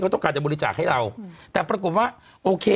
ไปบริจาคให้เราแต่ปรากฏว่าโอเค